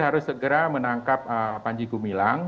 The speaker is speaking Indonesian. harus segera menangkap panji gumilang